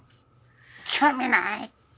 興味ない。